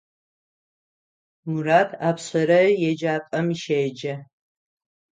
Мурат апшъэрэ еджапӏэм щеджэ.